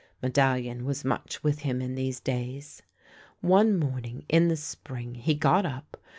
ISIedallion was much with him in these days. One morning in the spring he got up.